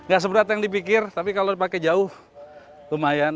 gak semudah yang dipikir tapi kalo dipake jauh lumayan